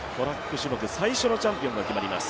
種目最初のチャンピオンが決まります。